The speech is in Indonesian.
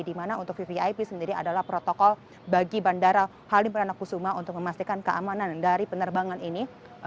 dimana untuk vivian sendiri adalah protokol bagi bandara halimberan kusuma untuk memastikan keamanan dari penerbangan ini